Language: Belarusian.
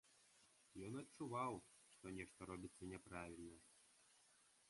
Ён адчуваў, што нешта робіцца няправільна.